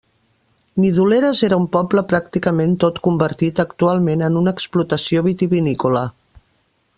Nidoleres era un poble pràcticament tot convertit actualment en una explotació vitivinícola.